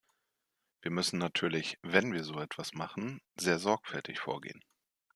Wir müssen natürlich, wenn wir so etwas machen, sehr sorgfältig vorgehen.